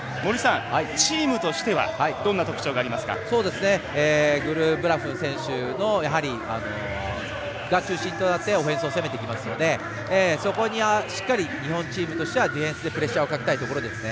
チームとしてはグルブラク選手の中心となってオフェンスを攻めてきますのでそこには、しっかり日本チームとしては、ディフェンスでプレッシャーをかけたいところですね。